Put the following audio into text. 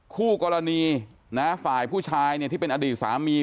คู่กรณีฝ่ายผู้ชายที่เป็นอดีตสามี